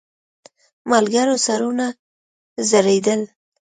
ملګرو سرونه ځړېدل.